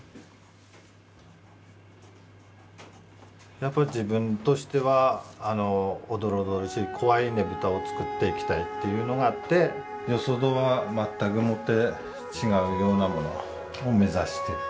やっぱり自分としてはおどろおどろしい怖いねぶたを作っていきたいっていうのがあってよそとはまったくもって違うようなものを目指してる。